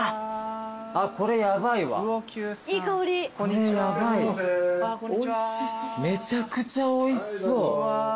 めちゃくちゃおいしそう。